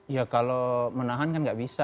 ya kalau menahan kan nggak bisa